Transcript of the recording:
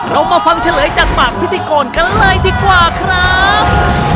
เรามาฟังเฉลยจากปากพิธีกรกันเลยดีกว่าครับ